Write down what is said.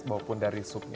bahkan dari supnya